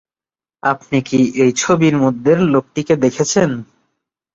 আপনি কি এই ছবির মধ্যের লোকটিকে দেখেছেন?